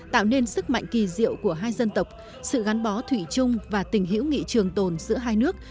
tạo nên sức mạnh kỳ diệu của hai dân tộc sự gắn bó thủy chung và tình hữu nghị trường tồn giữa hai nước